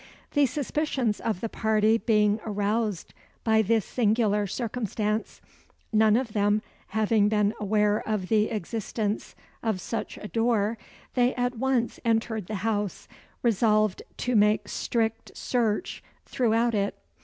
The suspicions of the party being aroused by this singular circumstance (none of them having been aware of the existence of such a door), they at once entered the house, resolved to make strict search throughout it.